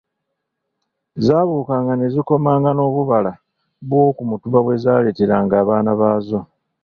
Zaabukanga ne zikomanga n'obubala bw'oku mutuba bwe zaaleteranga abaana baazo.